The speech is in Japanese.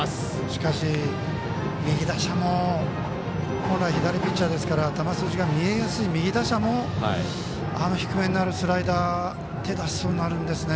しかし、右打者も本来、左ピッチャーですから球筋が見えやすい右打者も低めのスライダーに手を出しそうになるんですね。